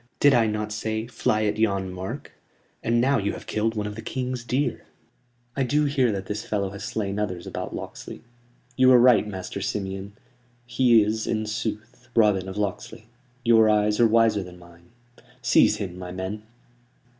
Did I not say: 'Fly at yon mark'? And now you have killed one of the King's deer." "I do hear that this fellow has slain others about Locksley," said Ford, meanly. "You are right, Master Simeon; he is, in sooth, Robin of Locksley; your eyes are wiser than mine. Seize him, my men."